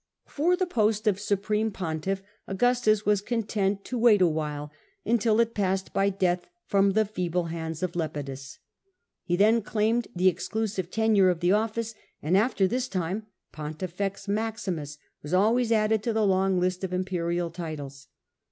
31 For the post of Supreme Pontiff, Augustus was con tent to wait awhile, until it passed by death from the Pohtifex feeble hands of Lepidus. He then claimed Maximus. the exclusive tenure of the office, and after this time Pontifex Maximus was always added to the long list of imperial titles.